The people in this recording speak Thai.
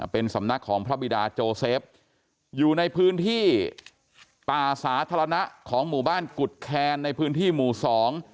เป็นสำนักของพระบิดาโจเซฟอยู่ในพื้นที่ป่าสาธารณะของหมู่บ้านกุฎแคนในพื้นที่หมู่สอง